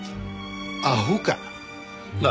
アホか。